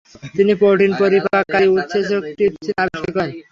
তিনি প্রোটিন-পরিপাককারী উৎসেচক ট্রিপসিন আবিষ্কার করেন।